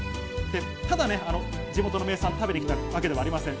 ただ地元の名産を食べに来たわけではありません。